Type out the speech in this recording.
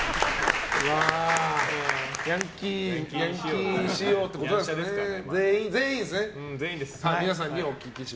ヤンキー仕様ってことですかね。